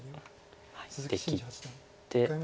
で切って。